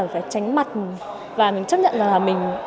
và mình chấp nhận là mình